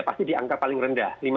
pasti di angka paling rendah